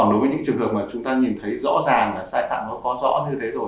nếu thấy rõ ràng là sai phạm có rõ như thế rồi